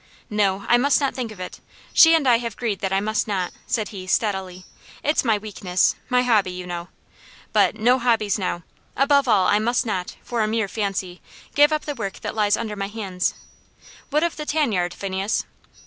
"No, I must not think of it she and I have agreed that I must not," said he, steadily. "It's my weakness my hobby, you know. But no hobbies now. Above all, I must not, for a mere fancy, give up the work that lies under my hand. What of the tan yard, Phineas?"